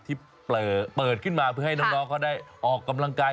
ที่เปิดขึ้นมาเพื่อให้น้องเขาได้ออกกำลังกาย